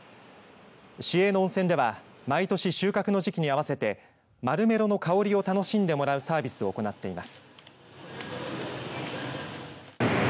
市営の温泉では毎年、収穫の時期に合わせてマルメロの香りを楽しんでもらうサービスを行っています。